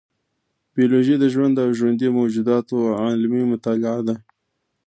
بیولوژي د ژوند او ژوندي موجوداتو علمي مطالعه ده